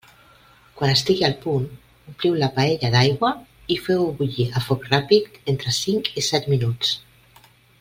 Quan estigui al punt, ompliu la paella d'aigua i feu-ho bullir a foc ràpid entre cinc i set minuts.